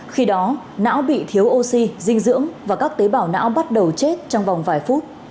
khi đó não bị thiếu oxy dinh dưỡng và các tế bào não bắt đầu chết trong vòng vài phút